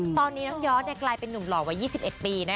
ตอนนี้น้องยอดกลายเป็นนุ่มหล่อวัย๒๑ปี